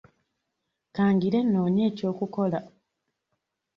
Ka ngire nnoonye eky'okukola.